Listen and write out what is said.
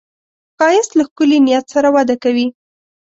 ښایست له ښکلي نیت سره وده کوي